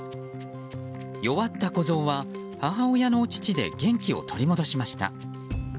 弱った小ゾウは母親のお乳で元気を取り戻しました。